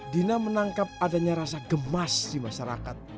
dina menangkap adanya rasa gemas di masyarakat